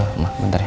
oh emang bentar ya